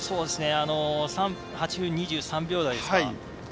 ８分２３秒台ですか。